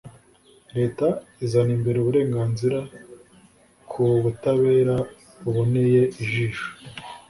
Leta izana imbere uburenganzira ku butabera buboneye ijisho.